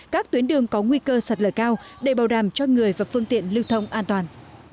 các tuyến đường có nguy cơ sạt lở cao để bảo đảm cho người và phương tiện lưu thông an toàn